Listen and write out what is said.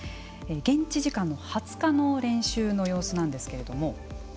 現地時間の２０日の練習の様子なんですけれども。